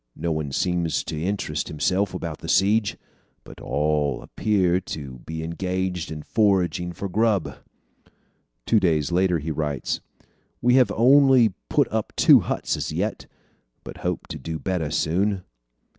No one seems to interest himself about the siege, but all appear to be engaged in foraging for grub." Two days later he writes: "We have only put up two huts as yet, but hope to do better soon."